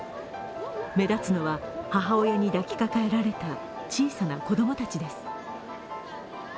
目立つのは母親に抱きかかえられた小さな子供たちです。